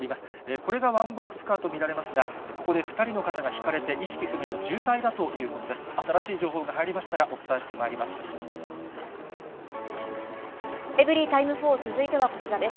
これがワンボックスカーと見られますが、ここで２人の方がひかれて意識不明の重体だということです。